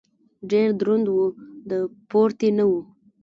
ډېر دروند و . د پورتې نه و.